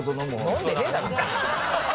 飲んでねえだろ！